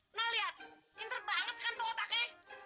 nah lihat pinter banget kan tuh otaknya